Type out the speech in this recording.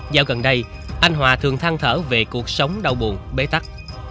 dạo gần đây anh hòa thường thăng thở về cuộc sống đau buồn bế tắc